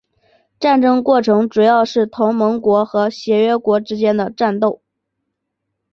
战争过程主要是同盟国和协约国之间的战斗。